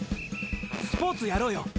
スポーツやろうよ。